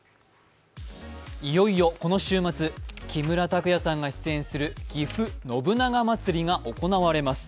いよいよこの週末木村拓哉さんが出演するぎふ信長まつりが行われます。